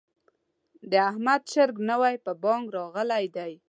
د احمد چرګ نوی په بانګ راغلی دی.